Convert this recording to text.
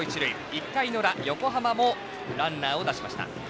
１回の裏横浜もランナーを出しました。